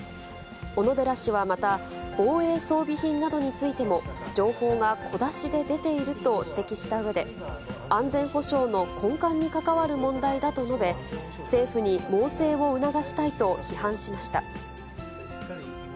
小野寺氏はまた、防衛装備品などについても、情報が小出しで出ていると指摘したうえで、安全保障の根幹に関わる問題だと述べ、政府に猛省を促したいと批判しました。